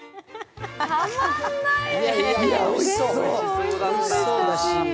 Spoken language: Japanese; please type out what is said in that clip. たまんないね。